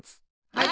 はい。